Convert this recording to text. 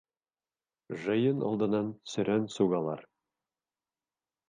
Жыйын алдынан сөрән сугалар.